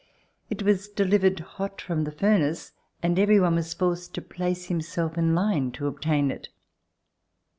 It was delivered hot from the furnace, and every one was forced to place himself in line to obtain it.